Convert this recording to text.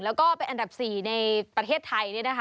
แล้วก็เป็นอันดับ๔ในประเทศไทย